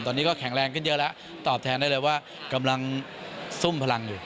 ตอนนี้ก็แข็งแรงขึ้นเยอะแล้วตอบแทนได้เลยว่ากำลังซุ่มพลังอยู่